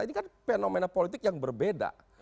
ini kan fenomena politik yang berbeda